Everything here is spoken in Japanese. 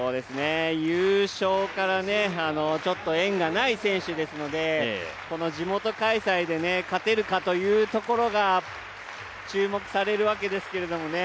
優勝から縁がない選手ですので、この地元開催で勝てるかというところが注目されるわけですけどね。